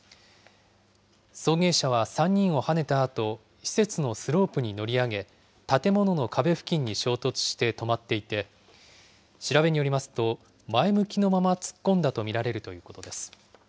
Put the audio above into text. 送迎車は３人をはねたあと、施設のスロープに乗り上げ、建物の壁付近に衝突して止まっていて、調べによりますと、前向きのまま突っ込んだと見られるということです。